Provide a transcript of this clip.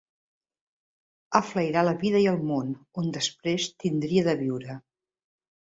A flairar la vida i el món, on després tindria de viure.